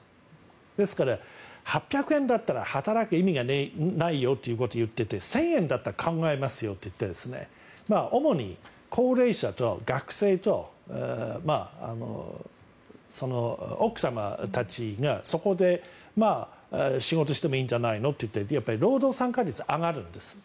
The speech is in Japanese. ですから、８００円だったら働く意味がないよってことを言っていて１０００円だったら考えますよと言って主に高齢者と学生と奥様たちがそこで仕事してもいいんじゃないのってやっぱり労働参加率が上がるんです。